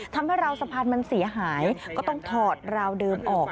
ทำให้ราวสะพานมันเสียหายก็ต้องถอดราวเดิมออก